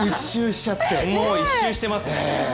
もう一周してますね。